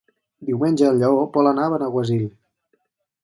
Diumenge en Lleó vol anar a Benaguasil.